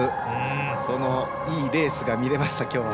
そのいいレースが見れましたきょうは。